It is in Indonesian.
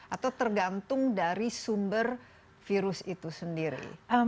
atau tergantung dari sumber virus itu sendiri